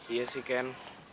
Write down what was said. iya sih ken